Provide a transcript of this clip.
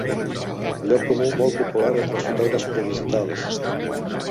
Lloc comú molt popular entre els fotògrafs predigitals.